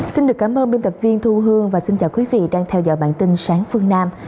xin được cảm ơn biên tập viên thu hương và xin chào quý vị đang theo dõi bản tin sáng phương nam